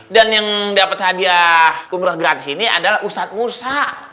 dan yang dapat hadiah umroh gratis ini adalah ustadz ustadz